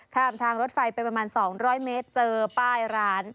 ทางรถไฟไปประมาณ๒๐๐เมตรเจอป้ายร้าน